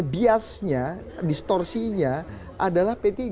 biasnya distorsinya adalah p tiga